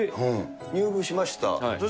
入部しました。